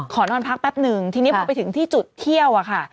ขอนอนพักแป๊บนึงทีนี้พอไปถึงที่จุดเที่ยวอะค่ะ